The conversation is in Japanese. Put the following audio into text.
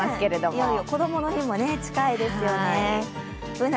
いよいよこどもの日も近いですよね。